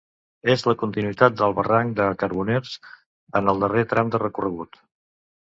És la continuïtat del barranc de Carboners, en el darrer tram de recorregut.